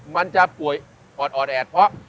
มันจะป่วยออดแอดเพราะ